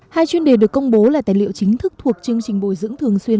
hai chuyên đề được công bố là tài liệu chính thức thuộc chương trình bồi dưỡng thường xuyên